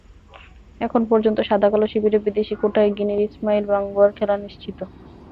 এখন পর্যন্ত সাদাকালো শিবিরে বিদেশি কোটায় গিনির ইসমাইল বাঙ্গুরার খেলা নিশ্চিত।